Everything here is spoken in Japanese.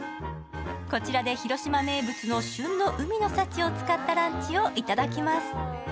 こちらで広島名物の旬の海の幸を使ったランチをいただきます。